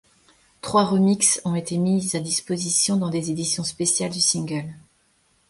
Trois remixes ont été mis à disposition dans des éditions spéciales du single.